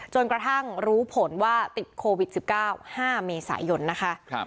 จนกระทั่งรู้ผลว่าติดโควิด๑๙๕เมษายนนะคะ